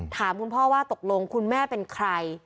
ถามคุณพ่อว่าตกลงคุณแม่เป็นใคร